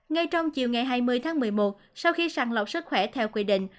ngay trong chiều ngày hai mươi tháng một mươi một sau khi sàng lọc sức khỏe theo quy định